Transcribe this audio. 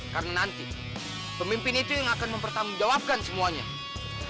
karena nanti pemimpin itu yang akan mempertamu jawabnya untuk menangani warianya